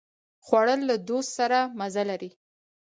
خوړل له دوست سره مزه لري